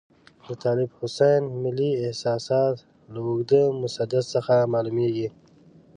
د طالب حسین ملي احساسات له اوږده مسدس څخه معلوميږي.